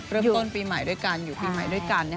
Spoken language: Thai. เริ่มต้นปีใหม่ด้วยกันอยู่ปีใหม่ด้วยกัน